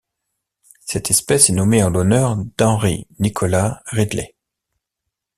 Cette espèce est nommée en l'honneur d'Henry Nicholas Ridley.